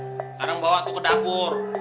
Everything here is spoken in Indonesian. sekarang bawa ke dapur